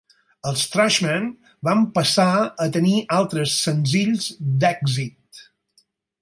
Els Trashmen van passar a tenir altres senzills d'èxit.